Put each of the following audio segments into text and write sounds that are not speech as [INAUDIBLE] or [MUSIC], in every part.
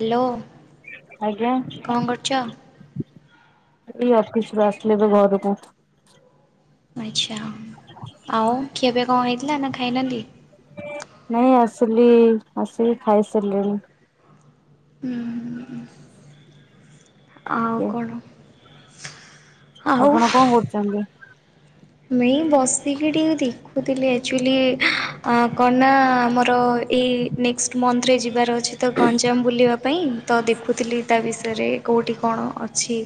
Hello hello. କଣ କରୁଛ? ଏ ଅଫିସ୍ ରୁୁ ଆସିଲି ଏବେ ଘରୁକୁ। ଆଚ୍ଛା। ହ [UNINTELLIGIBLE] ଆଉ ଖିଆ ପିଆ କଣ ହେଇଥିଲା ନା ଖାଇନାନ୍ତି? ନାଇଁ ଆସିଲି ଆସିକି ଖାଇସାରିଲିଣି। ଆଉ ଟିକେ। କଣ ଆପଣ କଣ କରୁଚନ୍ତି? ମୁ ଏଇ ବସିକି ଟିକେ ଦେଖୁଥିଲି ଆକ୍ଚୁଆଲି କନା ମ ର ଏଇ ନେକ୍ସଟ୍ ମନ୍ଥରେ ଯିବାର ଅଛି ତ ଗଞ୍ଜାମ୍ ବୁଲିବା ପାଇଁ ତ ଦେଖୁଥିଲି ତା ବିଷୟରେ କୋଉଠି କଣ ଅ ଛି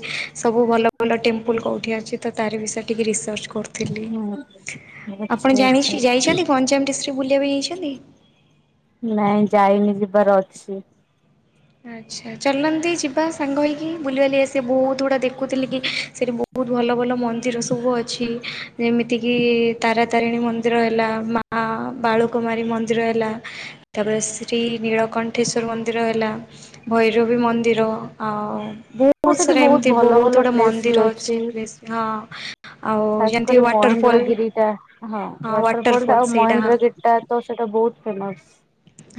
ସବୁ ଭଲ ଭଲ ଟେମ୍ପୁଲ୍ କୋଉଠି ଅଛି ତ ତାରି ବିଷୟରେ ଟିକେ ରିସର୍ଚ୍ଚ କରୁ ଥିଲି ହୁଁ ଆପଣ ଆଚ୍ଛା ଆଚ୍ଛା ଜାଣିଛି ଯାଇଛନ୍ତି ଗଞ୍ଜାମ୍ ଡିଷ୍ଟ୍ରି ବୁଲିଆକୁ ଯାଇଛନ୍ତି? ନାଇଁ ଯାଇନି ଯିବାର ଅଛି। ଆଚ୍ଛା ଚାଲୁନାହାନ୍ତି ଯିବା ସାଙ୍ଗ ହେଇକି ବୁଲିିବାଲି ଆସି ବହୁତ୍ ଗୁଡା ଦେଖୁଥିଲି କି ସେଠି ବହୁତ୍ ଭଲ ଭଲ ମନ୍ଦିର ସବୁ ଅଛି ଏମିତିକି ତାରା ତାରିଣୀ ମନ୍ଦିର ହେଲା ମା ବାଳୁକୁମାରୀ ମନ୍ଦିର ହେଲା ତାପରେ ଶ୍ରୀ ନୀଳକଣ୍ଠେଶ୍ଵର ମନ୍ଦିର ହେଲା ଭୈରବୀ ମନ୍ ନ୍ଦିର ଆଜ୍ଞା ଆଉ ହଁ ବହୁତ୍ ସେଠି ସାରା ବହୁତ ଏମିତି ଭଲ ବହୁତ୍ ଭଲ ଗୁଡ଼ା ମନ୍ଦିର ଅଛି ପ୍ରେସ୍ ଖାସ୍ କରି ମହେନ୍ଦ୍ରଗିରି ଟା ହଁ ୱାଟରଫଲ୍ ଟା ଆଉ ମହେନ୍ଦ୍ରଗି ଟା ତ ସେଇଟା ବହୁତ୍ ଫେମସ୍।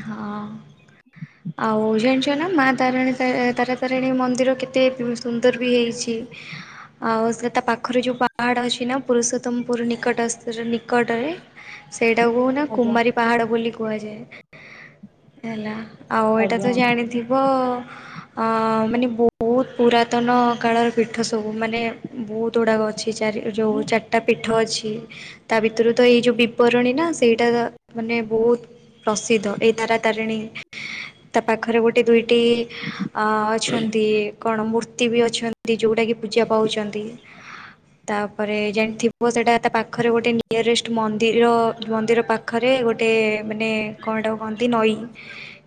ହଁ। ଆଉ ଜାଣିଛ ନା ମା ତାରିଣୀ ଏ ତାରାତାରିଣୀ ମନ୍ଦିର କେତେ ସୁନ୍ଦର୍ ବି ହେଇଛି [UNINTELLIGIBLE] ଆଉ ସେ ତା ପାଖରେ ଯୋଉ ପାହାଡ଼ ଅଛି ନା ପୁରୁଷୋତ୍ତମପୁର ନିକଟସ୍ଥ ଯୋଉ ନିକଟରେ ସେଇଟାକୁନା ଆଜ୍ଞା କୁମାରୀ ପାହାଡ ବୋଲି କୁହାଯାଏ। ହେଲା ଆଉ ଏଇଟା ଆଜ୍ଞା ତ ଆଜ୍ଞା। ଜାଣିଥିବ ଅ ମାନେ ବହୁତ୍ ପୁରାତନ କାଳର ପୀଠ ସବୁ ମାନେ ବହୁତ୍ ଗୁଡାକ ଅ ଛି ଚାରିଆଡ ଯୋଉ [INAUDIBLE] ଟା ପୀଠ ଅଛି, ତା ଭିତରୁ ତ ଏଇ ଯେଉଁ ବିବରଣୀ ନା ସେଇଟା ମାନେ ବହୁତ ପ୍ରସିଦ୍ଧ। ଏଇ ତାରାତାରିଣୀ ତା ପାଖରେ ଗୋଟେ ଦୁଇଟି ଅ ଅଛନ୍ତି କଣ ମୂର୍ତ୍ତି ବି ଅଛନ୍ତି ଯୋଉଟାକି ପୂଜା ପାଉଛନ୍ତି। ତାପରେ ଜାଣି ଥିବ ସେଟା ତା ପାଖରେ ଗୋଟେ ନିୟରେଷ୍ଟ ମନ୍ଦିର ମନ୍ଦିର ପାଖରେ ଗୋଟେ ମାନେ କଣ ହେଇଟାକୁ କୁହନ୍ତି ନଈ।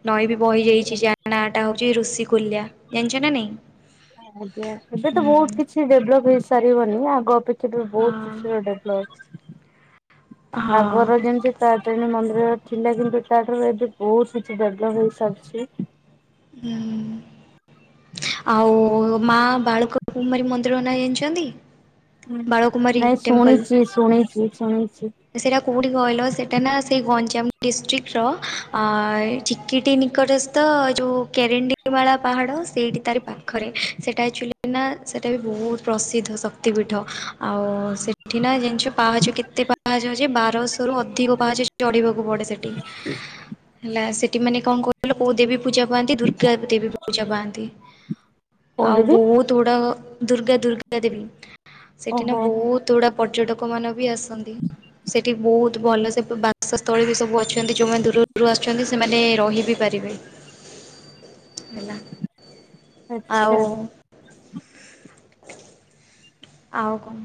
ନଈ ବି ବହିଯାଇଚି ଯାହା ନାଁ ଟା ହଉଛି ଋଷି କୁଲ୍ୟା ଜାଣିଚ ନା ନାଇଁ? ଆଜ୍ଞା ଏବେ ତ ବହୁତ ହୁଁ। କିଛି ଡେଭଲପ୍ ହେଇସାରିବନି ଆଗ ଅପେକ୍ଷା ବି ହଁ ବହୁତ କିଛି ଡେଭଲପ୍। ହଁ। ଆଗରୁ ଯେମତି ତାରାତାରିଣୀ ମନ୍ଦିର ରେ ଥିଲା କିନ୍ତୁ ତାଠାରୁ ଏବେ ବହୁତ କିଛି ଡେଭଲପ୍ ହେଇସାରିଚି। ହୁଁ। ଆଉ ମା ବାଳୁକକୁମାରୀ ମନ୍ଦିର ନା ଜାଣିଛନ୍ତି? ହୁଁ। ବାଳକୁମାରୀ ନାଇଁ ଟେମ୍ପଲ। ଶୁଣିଚି ଶୁଣିଚି ଶୁଣିଚି। ସେଇଟା କୋଉଁଠି କହିଲ? ସେଟା ନା ସେଇ ଗଞ୍ଜାମ ଡିଷ୍ଟ୍ରିକ୍ଟର ଅ ଚିକିଟି ନିକଟ ସ୍ଥ ଯୋଉ [UNINTELLIGIBLE] ମାଳା ପାହାଡ଼ ସେଇଠି ତାର ପାଖରେ। ସେଟା ଆକଚୁଆଲି ନା ସେଟା ବି ବହୁତ ପ୍ରସିଦ୍ଧ ଶକ୍ତିପୀଠ, ଆଉ ସେଠି ନା ଜାଣିଚ ପାହଚ କେତେ ପା କୁହାଯାଏ ଯେ ବାରଶହ ରୁ ଅଧିକ ପାହାଚ ଚଢିବାକୁ ପଡେ ସେଠି। ହେଲା, ସେ ସେଠି ମାନେ କଣ [UNINTELLIGIBLE] ପୂଜା ପାଆନ୍ତି ଦୁର୍ଗା ଦେବୀ ପୂଜା ପାଆନ୍ତି। ଆଉ କୋଉଠିକି? ବହୁତ୍ ତୋଡ଼ ଦୁର୍ଗା ଦୁର୍ଗା ଦେବି, ସେଠି ନା ଓହୋ। ବହୁତ୍ କେତେ ଗୁଡ଼ା ପର୍ଯ୍ୟଟକ ମାନ ବି ଆସନ୍ତି। ସେଇଠି ବହୁତ୍ ଭଲ ସେ ବାସସ୍ଥଳୀ ବି ସବୁ ଅଛନ୍ତି, ଯଉମାନେ ଦୂର ଦୂର ରୁ ଆସୁଛନ୍ତି ସେମାନେ ରହି ବି ପାରିବେ। ହେଲା। ଆଉ ଆଚ୍ଛା। ଆଉ କଣ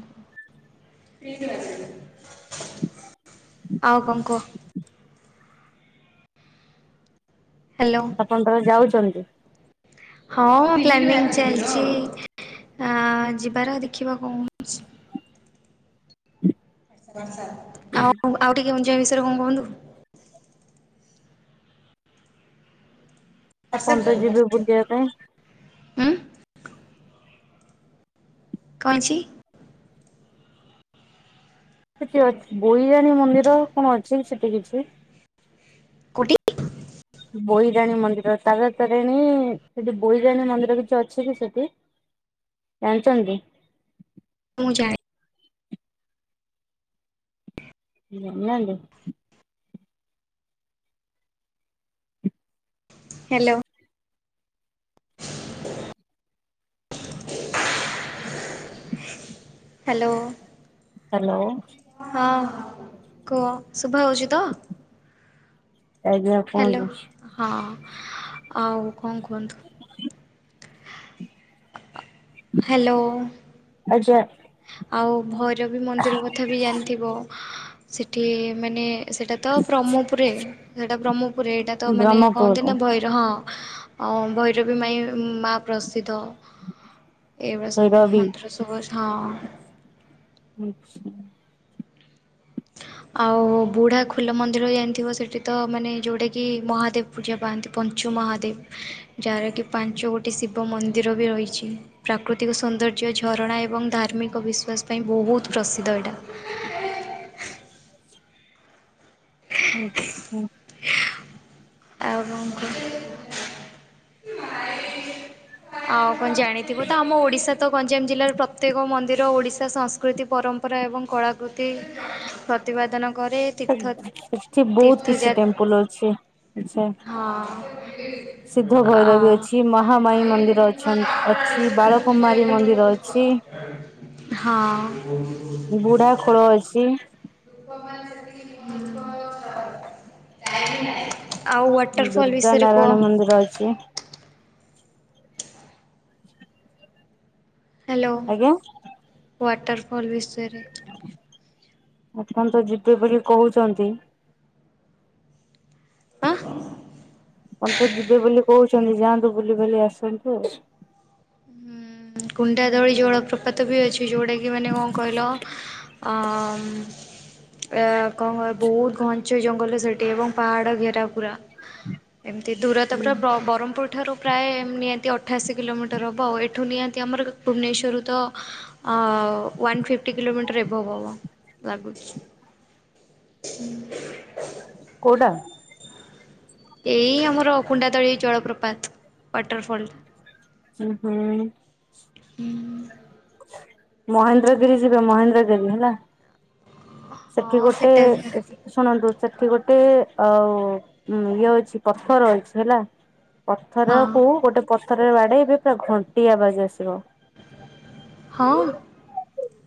ଆଉ କଣ କୁହ? ହ୍ୟାଲୋ। ଆପଣ ତାହେଲେ ଯାଉଛନ୍ତି? ହଁ। ପ୍ଲାନିଂ ଚାଲିଚି ଆ ଯିବାର ଦେଖିବା କଣ ହଉଚି। ଆଉ ଆଉ ଟିକେ [UNINTELLIGIBLE] ବିଷୟରେ କଣ କୁହନ୍ତୁ? ଲ [UNINTELLIGIBLE] ଯିବେ ବୁଲିବା ଯିବା ପାଇଁ। ଉଁ [UNINTELLIGIBLE] ସେ କିଏ ଅ ବୋଇରାଣୀ ମନ୍ଦିର କଣ ଅଛି ସେଠି କିଛି? କୋଉଠି ବୋଇରାଣୀ ମନ୍ଦିର, ତାରା ତାରିଣୀ ସେଠି ବୋଇରାଣୀ ମନ୍ଦିର କିଛି ଅଛି କି ସେଠି? ଜାଣିଛନ୍ତି? ମୁଁ ଜା ଜାଣି ନାହାନ୍ତି? ହ୍ୟାଲୋ। ହ୍ୟାଲୋ। ହ୍ୟାଲୋ। ହଁ କୁହ। ଶୁଭା ଯାଉଚି ତ? ଆଜ୍ଞା ହାଲୋ କୁହନ୍ତୁ। ହଁ। ଆଉ କଣ କୁହନ୍ତୁ? ହ୍ୟାଲୋ। ଆଜା ଆଉ ଭୈରବୀ ମନ୍ଦିର କଥା ବି ଜାଣିଥିବ ସେଠି ମାନେ ସେଇଟା ତ ବ୍ରହ୍ମପୁରେ ସେଇଟା ବ୍ରହ୍ମପୁରେ ଏଇଟା ତ ମାନେ କହନ୍ତି ବ୍ରହ୍ମପୁର ନା ଭୈ ହଁ ଭୈରବୀ ମାଇ ମା ପ୍ରସିଦ୍ଧ। ଏଇଭଳିଆ ସବୁ ମନ୍ତ୍ର ସବୁ ହଁ। ଆଛା। ଆଉ ବୁଢା ଖୋଲ ମନ୍ଦିର ଯାଣିଥିବ ସେଠି ତ ମାନେ ଯୋଉଟା କିି ମହାଦେବ୍ ପୂଜା ପାଆନ୍ତି ପଞ୍ଚୁ ମହାଦେବ୍ ଯାହା କି ପାଞ୍ଚ ଗୋଟିଏ ଶିବ ମନ୍ଦିର ବି ରହିଚି। ପ୍ରାକୃତିକ ସୌନ୍ଦର୍ଯ୍ୟ ଝରଣା ଏବଂ ଧାର୍ମିକ ବିଶ୍ୱାସ ପାଇଁ ବହୁତ୍ ପ୍ରସିଦ୍ଧ ଏଇଟା। ଆଛା। ଆଉ କଁ କୁହ। ହଁ ଆଉ କଣ ଜାଣିଥିବ ତ ଆମ ଓଡିଶା ତ ଗଞ୍ଜାମ ଜିଲ୍ଲାର ପ୍ରତ୍ୟେକ ମନ୍ଦିର ଓଡିଶା ସଂସ୍କ୍ ସଂକୃତି ପରମ୍ପରା ଏବଂ କଳାକୃତି ପତ୍ ପ୍ରତିପାଦନ କରେ। ତୀର୍ଥ ସେଠି ବହୁତ୍ କିଛି ତୀର୍ଥଯାତ ଟେମ୍ପୁଲ୍ ଅଛି ଆଛା। ହଁ ସିଦ୍ଧ ଆ ଭୈରବୀ ଅଛି ମହାମାଇ ମନ୍ଦିର ଅଛନ୍ତି ଅଛି ବାଳକୁମାରୀ ମନ୍ଦିର ଅ ଛି। ହଁ। ବୁଢା ଖୋଳ ଅଛି। [UNINTELLIGIBLE] ଟାଇମ୍ ନାଇଁ ଆଉ ୱାଟରଫଲ୍ ବିଷୟରେ କୁଅ। ଯାଉଚି ବା। [UNINTELLIGIBLE] ହାଲୋ ଆଜ୍ଞା। ୱାଟର୍ଫଲ୍ ବିଷୟରେ ଆପଣ ତ ଯିବେ ବୋଲି କହୁଚନ୍ତି। ହା ଆଁ ପଣ ତ ଯିବେ ବୋଲି କହୁଚନ୍ତି ଯାଆନ୍ତୁ ବୁଲି ବାଲି ଆସନ୍ତୁ ଆଉ। ଉଁ କୁଣ୍ଡାଦଳି ଜଳପ୍ରପାତ ବି ଅଛି ଯୋଉଟା କି ମାନେ କଣ କହିଲ? ଅମ୍ କଣ କହିବି ବହୁତ୍ ଘଞ୍ଚ ଜଙ୍ଗଲ ସେଠି ଏବଂ ପାହାଡ ଘେର ପୁରା। ଏମିତି ଦୂରତା ପୁରା ବରହ୍ମପୁର୍ ଠାରୁ ପ୍ରାୟ ନିହାତି ଅଠାଅଶୀ କିଲୋମିଟର ହବ୍ ହବ ଆଉ ଏଠୁ ନିହାତି ଆମର କେ ଭୁବନେଶ୍ଵରରୁ ତ ୱାନ୍ ଫିଫ୍ଟି କିଲୋମିଟର ଏଭଭ୍ ହବ ଲାଗୁଚି। [UNINTELLIGIBLE] କୋଉଟା? ଏଇ ଆମର କୁଣ୍ଡା ତଳି ଜଳପ୍ରପାତ ୱାଟରଫଲ୍। ଉଁ ହୁଁ। ମହେନ୍ଦ୍ରଗିରି ଯିବେ ମହେନ୍ଦ୍ରଗେମ୍ ହେଲା। ସେଠି ହଁ ଗୋଟେ ସେଟା ବି ଏସି ଶୁଣନ୍ତୁ ସେଠି ଗୋଟେ ଆଉ ଇଏ ଅଛି ପଥର ଅଛି ହେଲା। ପଥର ହଁ କୁ ଗୋଟେ ପଥରରେ ବାଡେଇବେ ପୁରା ଘଣ୍ଟି ଆବାଜ୍ ଆସିବ। [UNINTELLIGIBLE] ହଁ।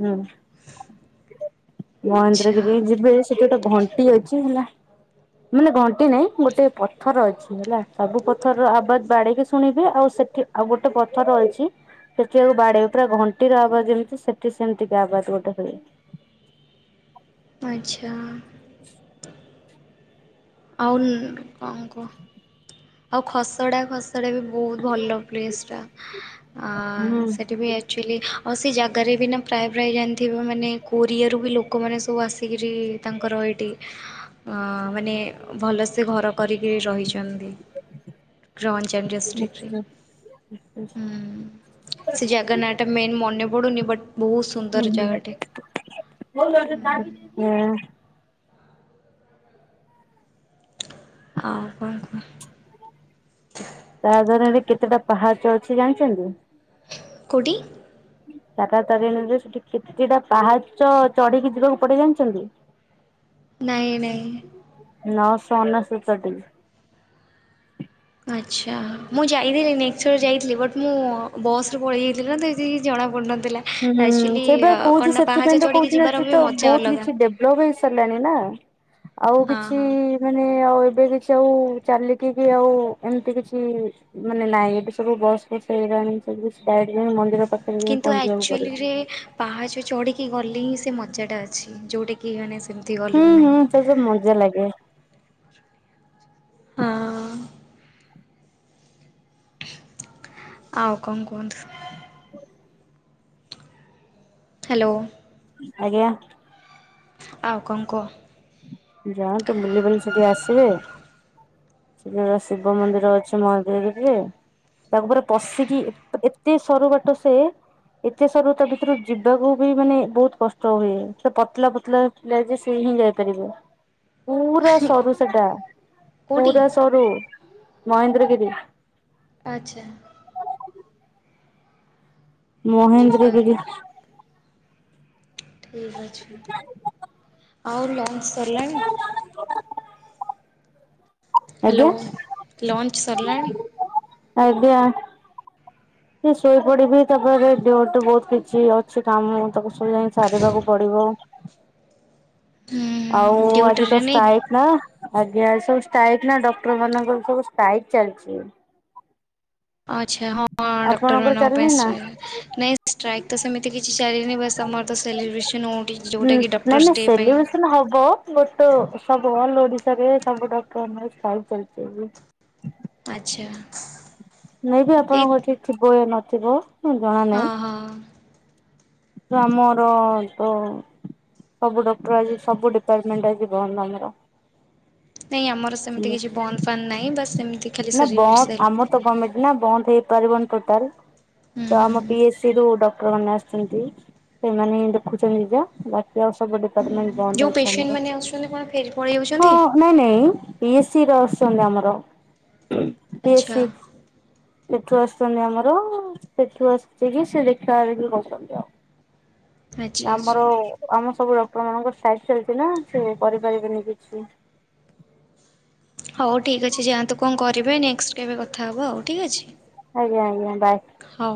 ହୁଁ। [UNINTELLIGIBLE] ଆଚ୍ଛା ମହେନ୍ଦ୍ରଗିରି ଯିବେ ସେଠି ଗୋଟେ ଘଣ୍ଟି ଅଛି ହେଲା। ମାନେ ଘଣ୍ଟି ନାଇଁ ଗୋଟେ ପଥର ଅଛି ହେଲା ସବୁ ପଥରର ଆବାଜ ବାଡେଇକି ଶୁଣିବେ ଆଉ ସେଠି ଆଉ ଗୋଟେ ପଥର ଅଛି ସେଠି ଆଉ ବାଡେଇ ପୁରା ଘଣ୍ଟିର ଆବାଜ ଯେମିତି ସେଠି ସେମିତି ଆବାଜ ଗୋଟେ ହୁଏ। ଆଚ୍ଛା। [UNINTELLIGIBLE] ଅଉ କଁ କୁହ? ଆଉ ଖସଡ଼ା ଖସଡ଼ା ବି ବହୁତ ଭଲ ପ୍ଲେସ୍ ଟା ହୁଁ ଆଁ ସେଠି ବି ଏ ଆକ୍ଚୁଆଲି ଆଉ ସେ ଜାଗାରେ ବି ନା ପ୍ରାୟ ପ୍ରାୟ ଜାଣିଥିବ ମାନେ କୋରିଆରୁ ବି ଲୋକମାନେ ସବୁ ଆସି କିରି ତାଙ୍କର ଏଇଟି [UNINTELLIGIBLE] ମାନେ ଭଲ ସେ ଘର କରିକି ରହିଛନ୍ତି। ଗ୍ରଞଡିଷ୍ଟ୍ରିକଟରେ। ଆଚ୍ଛା। [UNINTELLIGIBLE] ସେ ଜାଗା ନାଁ ଟା ମେନ୍ ମନେ ପଡୁନି ବଟ୍ ବହୁତ ହୁଁ ସୁନ୍ଦର ଜାଗାଟେ। [UNINTELLIGIBLE] ହଁ ଆଉ କଣ କୁହ? ତା ଧାରାରେ କେତେଟା ପାହାଚ ଅଛି ଜାଣିଛନ୍ତି? କୋଉଠି? ତାରା ତାରିଣୀ ରେ ସେଠି କେତେଟା ପାହାଚ ଚଢିକି ଯିବାକୁ ପଡେ ଜାଣିଚନ୍ତି? [INAUDIBLE] ନାଇଁ ନାଇଁ। [UNINTELLIGIBLE] ଆଚ୍ଛା ମୁଁ ଯାଇଥିଲି ନେକ୍ ଚର୍ ଯାଇଥିଲି ବଟ୍ ମୁଁ ବସ୍ ରେ ପଳେଇ ଯାଇଥିଲି ତ ଏତେ କିଛି ଜଣା ପଡ଼ୁ ନ ଥିଲା। ହୁଁ ସେଇଟା କହୁଛି ସେଥିପାଇଁ ତ ଚଢ଼ିକି କହୁଛି ନା ଯିବାର ସେ ବି ତ ମଜା ବହୁତ ଅଲଗା କିଛି ଡେଭ୍ଲପ ହୋଇ ସାରିଲାଣି ନା। ଆଉ ହଁ କିଛି ହଁ ମାନେ ଆଉ ଏବେ କିଛି ଆଉ ଚାଲିକି ବି ଆଉ ଏମିତି କିଛି ମାନେ ନାଇଁ ଏବେ ସବୁ ବସ୍ ବି ଚାଲିଲାଣି ସବୁ କିଛି ଗାଡି ନେଇ ମନ୍ଦିର ପାଖରେ ଯାଇ ପହଞ୍ଚିଯାଉଛୁ। ଦିଲ୍ଲୀ ରେ ପାହାଚ ଚଢ଼ିକି ଗଲି ହିଁ ସେ ମଜାଟ ଅଛି ଯୋଉଟାକି ମାନେ ସେମ ଏତେ ଗଲେ ବି ନାହିଁ। ସେବୁ ମଜା ଲାଗେ। ଆଁ। ଆଉ କଣ କୁହନ୍ତୁ? ହେଲୋ। ଆଜ୍ଞା। ଆଉ କଣ କୁହ? ଯାଆନ୍ତୁ ବୁଲିବାଲି ସେଠୁ ଆସିବେ। ସେଠି ବା ଶିବ ମନ୍ଦିର ଅଛି ମହେନ୍ଦ୍ର ଗିରି ରେ। ତା ଭିତରେ ପଶିକି ଏତେ ସରୁ ବାଟ ସେ ଏତେ ସରୁ ତା ଭିତରୁ ଯିବାକୁ ବି ମାନେ ବହୁତ କଷ୍ଟ ହୁଏ ସେ ପତଲା ପତଲା ଆଜି ସିଏ ହିଁ ଯାଇ ପାରିବେ। ପୁରା ସରୁ ସେଟା କେଉଁଠି ପୁରା ସରୁ ମହେନ୍ଦ୍ର ଗିରି। ଆଚ୍ଛା। ମହେନ୍ଦ୍ର ଯିବା ଗିରି। ଠିକ୍ ଅଛି। ଆଉ ଲଞ୍ଚ ସରିଲାଣି? ହ୍ୟାଲୋ ଲଞ୍ଚ୍ ସରିଲାଣି ଆଜ୍ଞା। ମୁଁ ଶୋଇପଡିବି ତା ପରେ ବୋହୁତ୍, ବୋହୁତ୍ କିଛି ଅଛି କାମ ତାକୁ ସବୁ ଯାଇ ସାରିବାକୁ ପଡିବ। ଆଉ ହୁଁ ଆଜି ତ ଡ୍ୟୁଟିରେ ନାଇଁ ଷ୍ଟାଇକ୍ ନା। ଆଜ୍ଞା ସବୁ ଷ୍ଟାଇକ୍ ନା ଡକ୍ଟର ମାନଙ୍କର ସବୁ ଷ୍ଟାଇକ୍ ଚାଲିଛି। ଆଚ୍ଛା ହଁ ଆପଣଙ୍କର ଡକ୍ଟରମାନଙ୍କ ଚାଲିନି ପାଇଁ ନା? ସେ ନାଇଁ ଷ୍ଟ୍ରାଇକ୍ ତ ସେମିତି କିଛି ଚାଲିିନି ବାସ୍ ଆମର ତ ସେଲିବ୍ରେସନ ଉଁ ଠି। ହୁଁ ନାଇଁ ନାଇଁ ସେଲିବେସନ ହବ। ଗୋଟେ ସବୁ ଅଲ୍ ଓଡିଶାରେ ସବୁ ଡକ୍ଟର ପାଇଁ [UNINTELLIGIBLE] ଚାଲିଛି ଏବେ। ଆଚ୍ଛା। ମେଁ ବିି ଏଇ ଆପଣଙ୍କ ଠିକ୍ ଥିବ କି ନଥିବ। ଜଣା ନାହିଁ। ହଁ ହଁ। ଆମର ତ ସବୁ ଡକ୍ଟର ଆଜି ସବୁ ଡିପାର୍ଟମେଣ୍ଟ ଆଜିି ବନ୍ଦ ଆମର। ନାଇଁ ଆମର ସେମିତି କିଛି ବନ୍ଦ ଫାନ୍ ନାହିଁ ବାସ୍ ସେମିତି ଖାଲି ନା ବନ୍ଦ ସେଲି। ଆମର ଗମେଣ୍ଟ ନା ବନ୍ଦ ହେଇପାରିବନି ଟୋଟାଲ୍ ହୁଁ ତ ହୁଁ ଆମ ପି ଏସ ସି ଡି ରୁ ଡକ୍ଟର ମାନେ ଛନ୍ତି। ଦେଖୁଛନ୍ତି ଯାହା ବା ସବୁ ଦିପାର୍ଟମେଣ୍ଟ ବନ୍ଦ ଯେଉଁ ଅଛି ପେସେଣ୍ଟ ଆମର। ମାନେ ଆସୁଛନ୍ତି କଣ ଫେରି ପଳେଇ ହଁ ଯାଉଛନ୍ତି? ନାଇଁ ନାଇଁ। ପି ଏସ୍ ୟୁ ରୁ ଆସଛନ୍ତି ଆମର ପି ଏସ୍ ଆଚ୍ଛା ୟୁ। ସେଠୁ ଆସୁଛନ୍ତି ଆମର। ସେଠୁ ଆସକି ସେ ଦେଖାଦେଖି କର୍ ଆଚ୍ଛା ଆଚ୍ଛା ଆମର ଆମର ସବୁ ଡକ୍ଟରମାନଙ୍କର ଷ୍ଟ୍ରାଇକ୍ ଚାଲିଛି ନା ସିଏ କରି ପାରିବେନି କିଛି। ହଉ ଠିକ୍ ଅଛି ଯାଆନ୍ତୁ କଣ କରିବେ ନେକ୍ସଟ୍ କେବେ କଥା ହେବ ଆଉ ଠିକ୍ ଅଛି। ଆଜ୍ଞା ଆଜ୍ଞା ବାଏ। ହଉ।